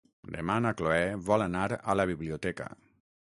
Demà na Cloè vol anar a la biblioteca.